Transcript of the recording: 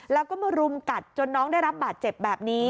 แล้วก็มารุมกัดจนน้องได้รับบาดเจ็บแบบนี้